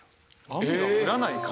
雨が降らない雷？